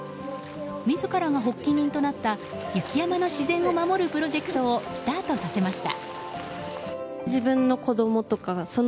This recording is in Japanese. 自らが発起人となった雪山の自然を守るプロジェクトをスタートさせました。